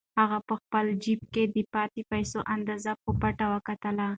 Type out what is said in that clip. هغه په خپل جېب کې د پاتې پیسو اندازه په پټه وکتله.